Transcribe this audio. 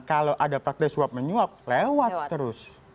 kalau ada fakta suap menyuap lewat terus